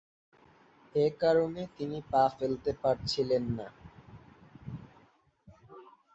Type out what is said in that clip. এ কারণে তিনি পা ফেলতে পারছিলেন না।